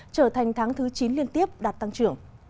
trở thành tháng thứ chín liên tiếp đạt tăng trưởng